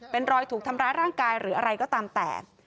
เป็นรอยถูกทำร้ายร่างกายหรืออะไรก็ตามแต่